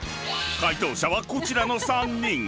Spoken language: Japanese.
［解答者はこちらの３人］